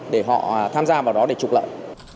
để họ tham gia vào đó để trục lợi